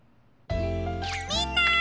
みんな！